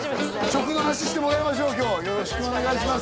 食の話してもらいましょう今日よろしくお願いします